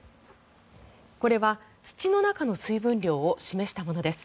これは、土の中の水分量を示したものです。